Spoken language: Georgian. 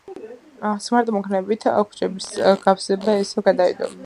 სმარტ-მანქანებით ქუჩების გავსება ისევ გადაიდო.